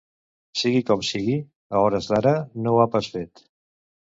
Sigui com sigui, a hores d’ara no ho ha pas fet.